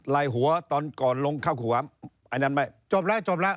ลายหัวตอนก่อนลงเข้าขัวอันนั้นไม่จบแล้วจบแล้ว